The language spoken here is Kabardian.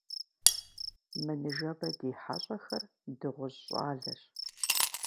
Мы ныжэбэ ди хьэщӀахэр дыгъужь щӀалэщ.